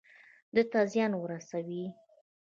ده ته زيان ورسوي.